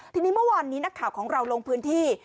ทีนี้เมื่อวานนี้นักข่าวของเราลงพื้นที่